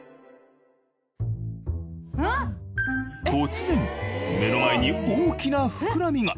突然目の前に大きなふくらみが。